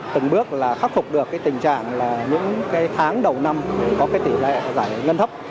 từng bước là khắc phục được tình trạng những tháng đầu năm có tỷ lệ giải ngân thấp